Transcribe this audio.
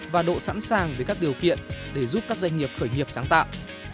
và độ sẵn sàng với các điều kiện để giúp các doanh nghiệp khởi nghiệp sáng tạo